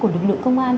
của lực lượng công an